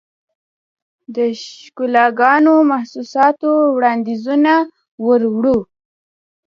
دښکالوګانو، محسوساتووړاندیزونه وروړو